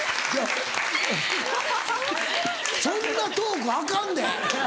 ・そんなトークアカンで。